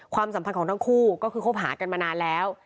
ความสัมพันธ์ของทั้งคู่ก็คือคบหากันมานานแล้ว